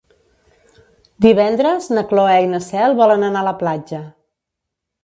Divendres na Cloè i na Cel volen anar a la platja.